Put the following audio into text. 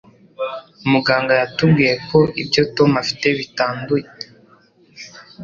Muganga yatubwiye ko ibyo Tom afite bitanduye.